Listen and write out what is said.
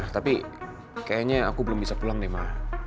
tapi kayaknya aku belum bisa pulang nih ma